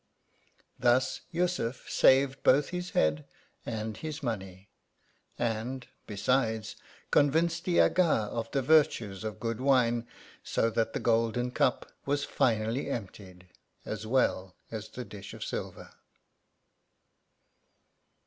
Thus, Yussuf saved both his head and his money ; and, besides, convinced the Aga of the virtues of good wine ; so that the golden cup was finally emptied, as well as the dish of silver.